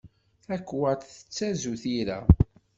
Takwat tettazu tira.